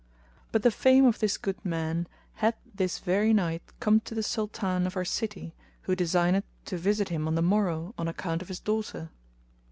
But the fame of this good man hath this very night come to the Sultan of our city who designeth to visit him on the morrow on account of his daughter."